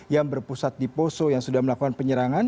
yang berpusat di poso yang sudah melakukan penyerangan